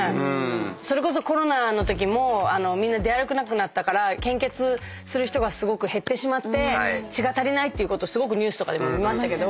それこそコロナのときもみんな出歩けなくなったから献血する人がすごく減ってしまって血が足りないっていうことすごくニュースとかでも見ましたけど。